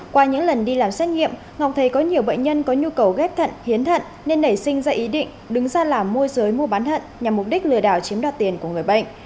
qua những lần đi làm xét nghiệm ngọc thấy có nhiều bệnh nhân có nhu cầu ghép thận hiến thận nên nảy sinh ra ý định đứng ra làm môi giới mua bán thận nhằm mục đích lừa đảo chiếm đoạt tiền của người bệnh